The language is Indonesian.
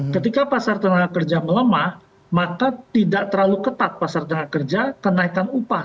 ketika pasar tenaga kerja melemah maka tidak terlalu ketat pasar tenaga kerja kenaikan upah